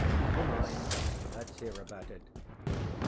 ŌĆ£Never mind; letŌĆÖs hear about it.